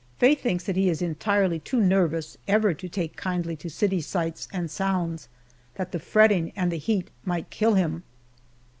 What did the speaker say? Faye thinks that he is entirely too nervous ever to take kindly to city sights and sounds that the fretting and the heat might kill him.